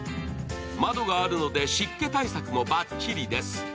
窓があるので湿気対策もばっちりです。